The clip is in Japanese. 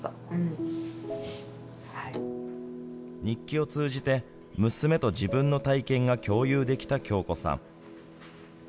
日記を通じて、娘と自分の体験が共有できた恭子さん。